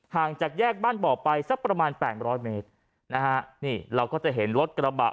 ห่างจากแยกบ้านบ่อไปสักประมาณแปดร้อยเมตรนะฮะนี่เราก็จะเห็นรถกระบะ